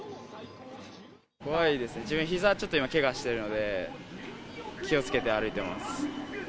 怖いですね、自分、ひざちょっと今、けがしているので、気をつけて歩いてます。